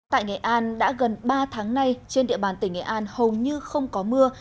tại nghệ an đã gần ba tháng nay trên địa bàn tỉnh nghệ an hầu như không có mưa